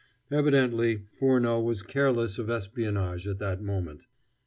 Evidently, Furneaux was careless of espionage at that moment.